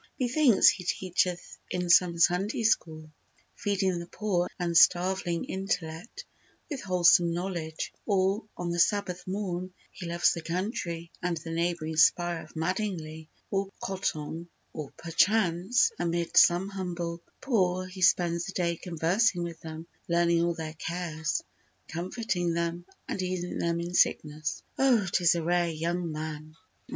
Methinks he teacheth in some Sunday school, Feeding the poor and starveling intellect With wholesome knowledge, or on the Sabbath morn He loves the country and the neighbouring spire Of Madingley or Coton, or perchance Amid some humble poor he spends the day Conversing with them, learning all their cares, Comforting them and easing them in sickness. Oh 'tis a rare young man!